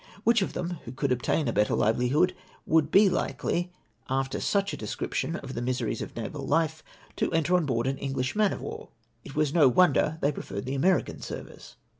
Which of them, who could obtain a better livehhood, would be likely, after such a description of the miseries of naval life, to enter on board an Enghsli man of war ? It was no wonder they preferred the American service.